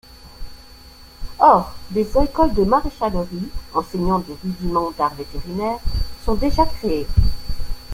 Or des écoles de maréchalerie enseignant des rudiments d’art vétérinaire sont déjà créées.